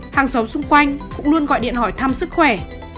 hàng xóm xung quanh cũng luôn gọi điện hỏi thăm sức khỏe